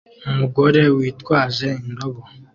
Umugore witwaje indobo